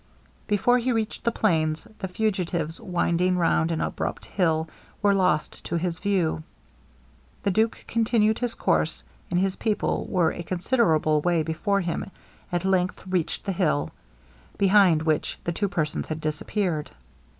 Before he reached the plains, the fugitives, winding round an abrupt hill, were lost to his view. The duke continued his course, and his people, who were a considerable way before him, at length reached the hill, behind which the two persons had disappeared.